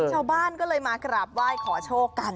ชาวบ้านก็เลยมากราบไหว้ขอโชคกัน